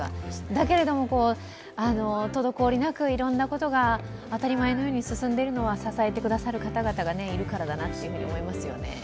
だけれども、滞りなくいろいろなことが当たり前のように進んでいるのは支えてくださる方々がいるからだなと思いますよね。